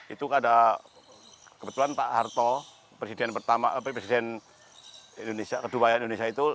itu ada kebetulan pak harto presiden indonesia ke dua